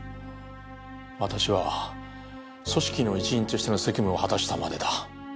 私は組織の一員としての責務を果たしたまでだ。